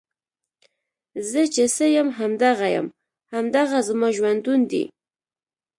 زۀ چې څۀ يم هم دغه يم، هـــم دغه زمـا ژونـد ون دی